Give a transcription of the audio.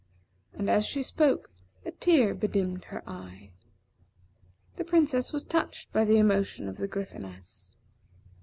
And as she spoke, a tear bedimmed her eye. The Princess was touched by the emotion of the Gryphoness.